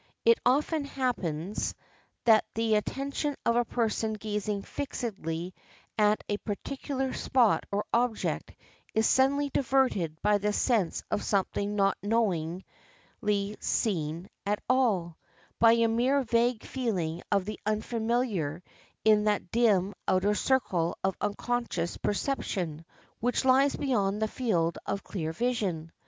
It often hap pens that the attention of a person gazing fixedly at a particular spot or object is suddenly diverted by the sense of something not knowingly seen at all, — by a mere vague feeling of the unfamiliar in that dim outer circle of unconscious perception which lies beyond the field of clear vision.